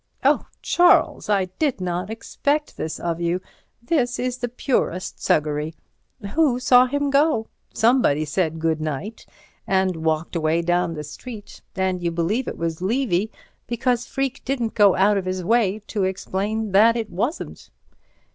"Oh, Charles! I did not expect this of you. This is the purest Suggery! Who saw him go? Somebody said 'Good night' and walked away down the street. And you believe it was Levy because Freke didn't go out of his way to explain that it wasn't."